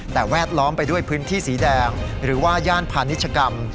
แต่แวดล้อมไปด้วยพื้นที่สีแดงหรือว่าย่านพาณิชกรรม